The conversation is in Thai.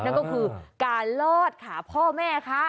นั่นก็คือการลอดขาพ่อแม่ค่ะ